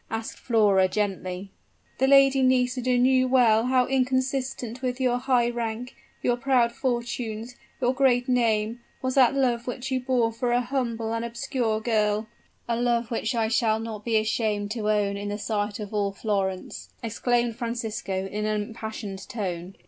asked Flora, gently. "The Lady Nisida knew well how inconsistent with your high rank your proud fortunes your great name, was that love which you bore for a humble and obscure girl " "A love which I shall not be ashamed to own in the sight of all Florence," exclaimed Francisco in an impassioned tone.